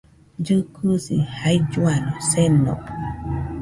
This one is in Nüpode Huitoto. Llɨkɨsi jailluano seno